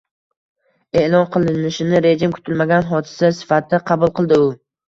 e’lon qilinishini rejim kutilmagan hodisa sifatida qabul qildi, u